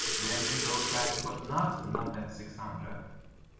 Then they rode back, but not Not the six hundred.